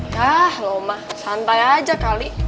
yah loh ma santai aja kali